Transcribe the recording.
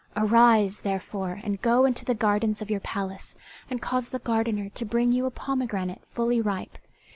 Arise, therefore and, go into the gardens of your palace and cause the gardener to bring you a pomegranate fully ripe.